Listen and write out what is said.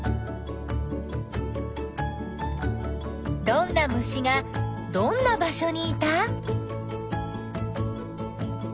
どんな虫がどんな場所にいた？